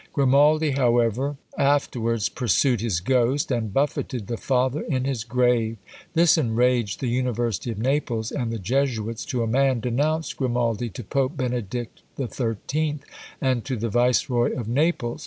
Grimaldi, however, afterwards pursued his ghost, and buffeted the father in his grave. This enraged the University of Naples; and the Jesuits, to a man, denounced Grimaldi to Pope Benedict XIII. and to the Viceroy of Naples.